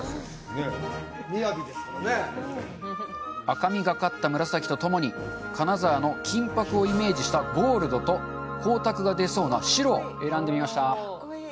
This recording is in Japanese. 赤みがかった紫とともに金沢の金箔をイメージしたゴールドと光沢が出そうな白を選んでみました！